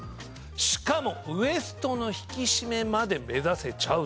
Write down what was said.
しかもウエストの引き締めまで目指せちゃうと。